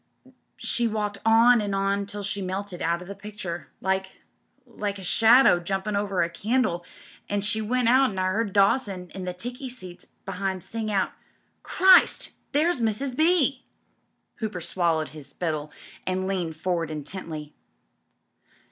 She walked on and on till she melted out of the picture — like — like a shadow jumpin' over a candle, an' as she went I 'eard Dawson in the ticky seats be'ind sing out: * Christ 1 There's Mrs. B.l'" Hooper swallowed his spittle and leaned forward intently.